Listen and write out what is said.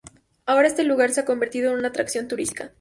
Ahora este lugar se ha convertido en una atracción turística.